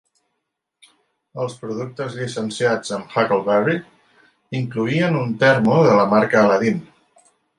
Els productes llicenciats amb "Huckleberry" incloïen un termo de la marca Aladdin.